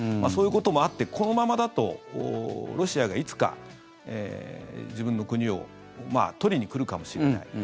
そういうこともあってこのままだとロシアがいつか自分の国を取りにくるかもしれない。